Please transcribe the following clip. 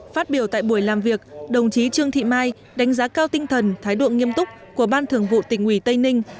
phát biểu tại buổi làm việc đồng chí trương thị mai đánh giá cao tinh thần thái độ nghiêm túc của ban thường vụ tỉnh ủy tây ninh